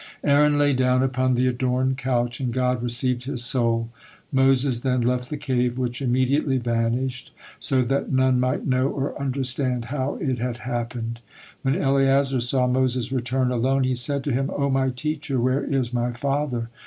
Aaron lay down upon the adorned couch, and God received his soul. Moses then left the cave, which immediately vanished, so that none might know or understand how it had happened. When Eleazar saw Moses return alone, he said to him: "O my teacher, where is my father?"